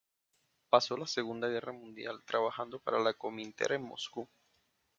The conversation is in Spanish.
Pasó la Segunda Guerra Mundial trabajando para la Komintern en Moscú.